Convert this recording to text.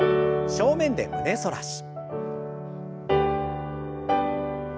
正面で胸反らし。